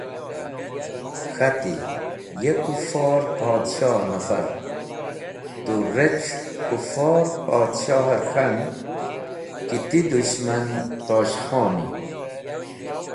K̃hati: Ye Kufor Podshoh nafar! Tu rec̃h Kufor Podshoher k̃han ki ti dus̃hman Tosh khoni.